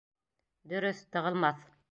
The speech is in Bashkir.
— Дөрөҫ, тығылмаҫ.